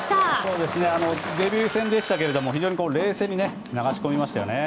デビュー戦でしたが冷静に流し込みましたよね。